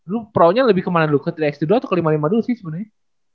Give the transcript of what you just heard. lu pro nya lebih kemana dulu ke tiga x dua atau ke lima puluh lima dulu sih sebenarnya